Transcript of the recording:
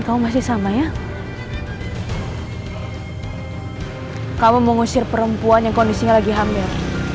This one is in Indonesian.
kau mau mengusir perempuan yang kondisinya lagi hampir